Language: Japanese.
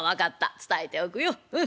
伝えておくようん。